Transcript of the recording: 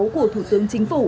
của thủ tướng chính phủ